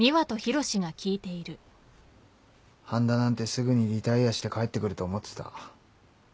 半田なんてすぐにリタイアして帰ってくると思ってた。